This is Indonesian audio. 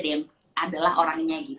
yang adalah orangnya gitu